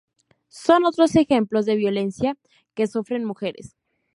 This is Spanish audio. son otros ejemplos de violencia que sufren mujeres